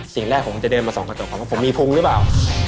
สิ่งแรกผมจะเดินมาส่องกระจกก่อนว่าผมมีพุงหรือเปล่า